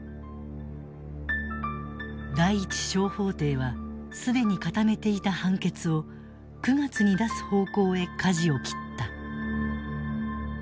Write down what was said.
第一小法廷は既に固めていた判決を９月に出す方向へ舵を切った。